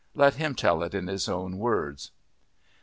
Let him tell it in his own words.